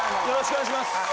よろしくお願いします。